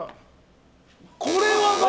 これは×！